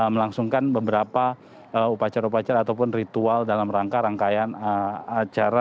melangsungkan beberapa upacara upacara ataupun ritual dalam rangka rangkaian acara